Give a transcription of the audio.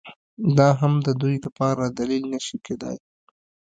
دا هم د دوی لپاره دلیل نه شي کېدای